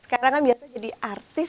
sekarang kan biasa jadi artis